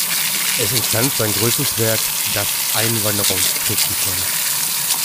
Es entstand sein größtes Werk, das "Einwanderungs-Triptychon".